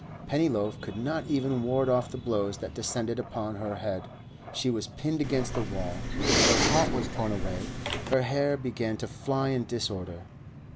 Pennyloaf could not even ward off the blows that descended upon her head; she was pinned against the wall, her hat was torn away, her hair began to fly in disorder.